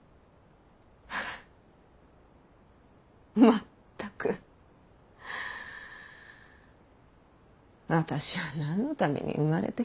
まったく私は何のために生まれてきたのか。